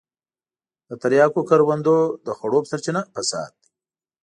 د تریاکو کروندو د خړوب سرچينه فساد دی.